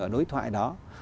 đối thoại đó